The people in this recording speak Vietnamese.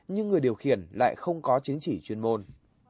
nhưng người điều khiển lại không có chứng chỉ chuyên môn